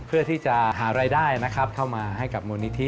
เพื่อที่จะหารายได้นะครับเข้ามาให้กับมูลนิธิ